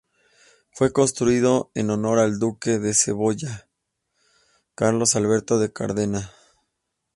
Fue construido en honor al Duque de Saboya, Carlos Alberto de Cerdeña.